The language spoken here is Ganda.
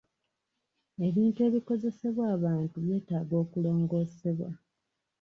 Ebintu ebikozesebwa abantu byetaaga okulongoosebwa.